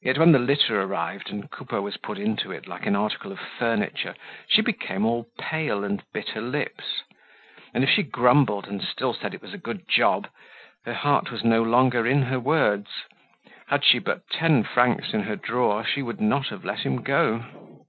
Yet, when the litter arrived and Coupeau was put into it like an article of furniture, she became all pale and bit her lips; and if she grumbled and still said it was a good job, her heart was no longer in her words. Had she but ten francs in her drawer she would not have let him go.